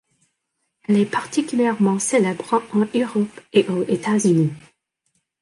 Elle est particulièrement célèbre en Europe et aux États-Unis.